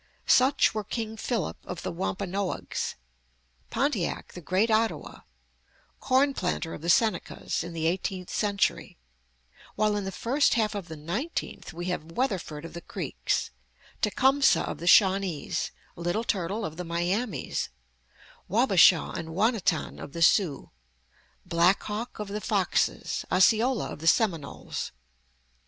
Such were King Philip of the Wampanoags; Pontiac, the great Ottawa; Cornplanter of the Senecas, in the eighteenth century; while in the first half of the nineteenth we have Weatherford of the Creeks, Tecumseh of the Shawnees, Little Turtle of the Miamis, Wabashaw and Wanatan of the Sioux, Black Hawk of the Foxes, Osceola of the Seminoles.